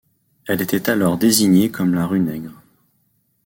Elle était alors désignée comme la rue Nègre.